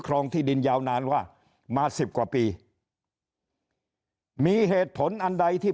รองที่ดินยาวนานว่ามาสิบกว่าปีมีเหตุผลอันใดที่